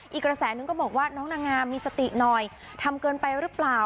อีกกระแสนึงก็บอกว่าน้องนางงามมีสติหน่อยทำเกินไปหรือเปล่า